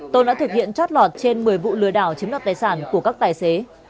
tôn đã thực hiện trót lọt trên một mươi vụ lừa đảo chiếm đoạt tài sản của các tài xế